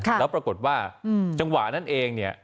ค่ะแล้วปรากฏว่าอืมจังหวานั่นเองเนี่ย